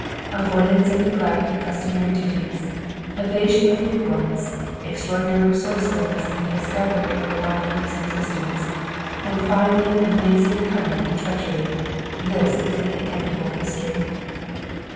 Avoidance and neglect of customary duties, evasion of new ones, extraordinary resourcefulness in the discovery of the line of least resistance, and finally amazing cunning and treachery this is the inevitable history.